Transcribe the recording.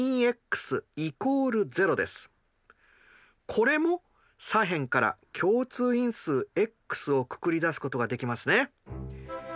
これも左辺から共通因数ｘをくくりだすことができますね。